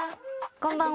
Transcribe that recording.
こんばんは。